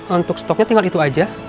untuk stoknya tinggal itu aja